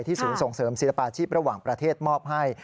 ศูนย์ส่งเสริมศิลปาชีพระหว่างประเทศมอบให้